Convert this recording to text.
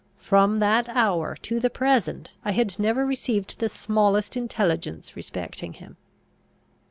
From that hour to the present I had never received the smallest intelligence respecting him.